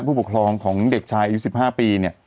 ผู้ปกครองของเด็กชายอายุ๑๕ปีเนี่ย